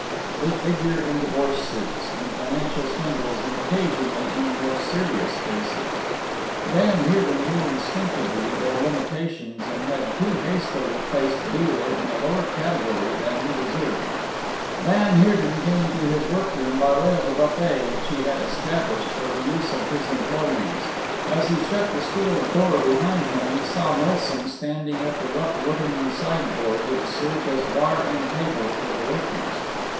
They figure in divorce suits, in financial swindles and occasionally in more serious cases. Van Heerden knew instinctively their limitations and had too hastily placed Beale in a lower category than he deserved. Van Heerden came to his workroom by way of the buffet which he had established for the use of his employees. As he shut the steel door behind him he saw Milsom standing at the rough wooden sideboard which served as bar and table for the workers.